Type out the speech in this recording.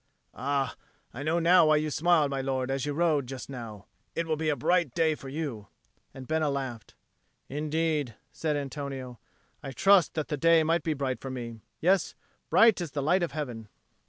"Ah, I know now why you smiled, my lord, as you rode, just now. It will be a bright day for you." And Bena laughed. "Indeed," said Antonio, "I trust that the day may be bright for me. Yes, bright as the light of heaven."